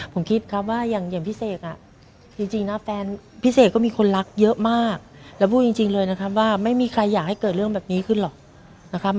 ผมคิดครับว่าอย่างพี่เสกจริงนะแฟนพี่เสกก็มีคนรักเยอะมากแล้วพูดจริงเลยนะครับว่าไม่มีใครอยากให้เกิดเรื่องแบบนี้ขึ้นหรอกนะครับ